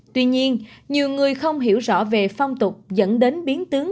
tuy nhiên nhiều người không hiểu rõ về phong tục dẫn đến biến tướng